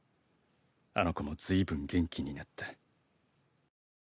「あの子もずいぶん元気になった」